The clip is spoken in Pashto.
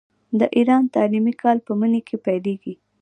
د ایران تعلیمي کال په مني کې پیلیږي.